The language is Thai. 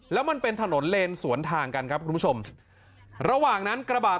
แล้วมันเป็นถนนเลนสวนทางกันครับคุณผู้ชมระหว่างนั้นกระบาด